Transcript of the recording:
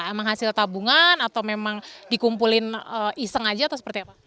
emang hasil tabungan atau memang dikumpulin iseng aja atau seperti apa